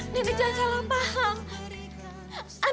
semra ingat allah tuhanan